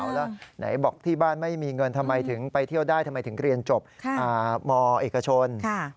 แล้วไหนบอกที่บ้านไม่มีเงินทำไมถึงไปเที่ยวได้ทำไมถึงเรียนจบมเอกชน